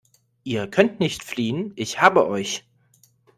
Ihr könnt nicht fliehen. Ich habe euch!